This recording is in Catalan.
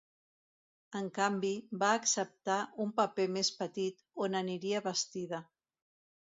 En canvi, va acceptar un paper més petit, on aniria vestida.